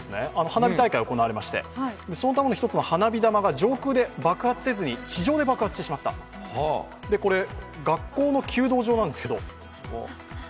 花火大会が行われまして、そのときに１つの花火玉が上空で爆発せずに地上で爆発してしまった、これ、学校の弓道場なんですけど。